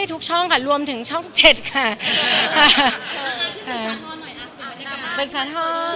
ได้ทุกช่องค่ะรวมถึงช่องเจ็ดค่ะค่ะอ่าเป็นสถาน